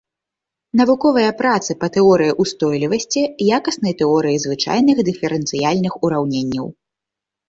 Навуковыя працы па тэорыі устойлівасці, якаснай тэорыі звычайных дыферэнцыяльных ураўненняў.